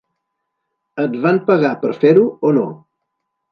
Et van pagar per fer-ho o no?